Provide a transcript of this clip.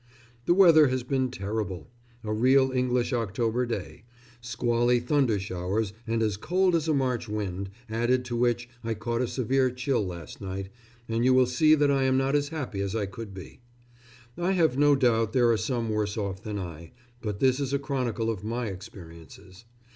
The weather has been terrible a real English October day; squally thundershowers and as cold as a March wind, added to which I caught a severe chill last night, and you will see that I am not as happy as I could be. I have no doubt there are some worse off than I, but this is a chronicle of my experiences.